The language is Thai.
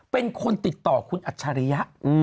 เป็นคนติดต่อคุณอัจฉริยะ